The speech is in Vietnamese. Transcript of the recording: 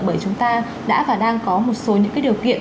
bởi chúng ta đã và đang có một số những điều kiện